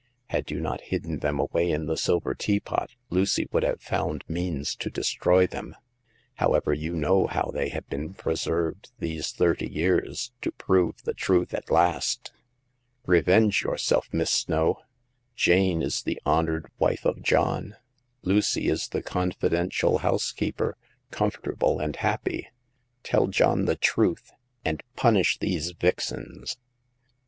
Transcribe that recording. Had you not hidden them away in the silver teapot, Lucy would have found means to destroy them. How ever, you know how they have been perserved these thirty years, to prove the truth at last. Revenge yourself. Miss Snow ! Jane is the hon ored wife of John ; Lucy is the confidential housekeeper, comfortable and happy. Tell John , the truth, and punish the^e \vxau^ I" The Sixth Customer.